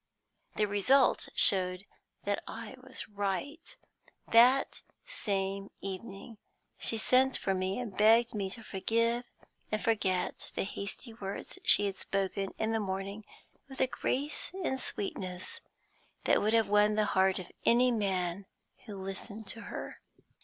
The result showed that I was right. That same evening she sent for me and begged me to forgive and forget the hasty words she had spoken in the morning with a grace and sweetness that would have won the heart of any man who listened to her.